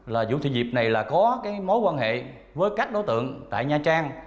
là vũ thị diệp này là có cái mối quan hệ với các đối tượng tại nha trang